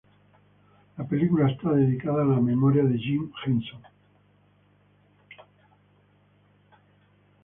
La película está dedicada a la memoria de Jim Henson.